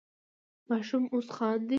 ماشوم اوس خاندي.